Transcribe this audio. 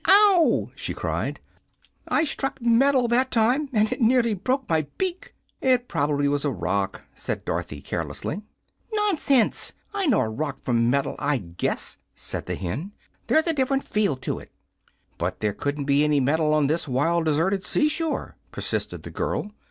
"Ow!" she cried. "I struck metal, that time, and it nearly broke my beak." "It prob'bly was a rock," said Dorothy, carelessly. "Nonsense. I know a rock from metal, I guess," said the hen. "There's a different feel to it." "But there couldn't be any metal on this wild, deserted seashore," persisted the girl.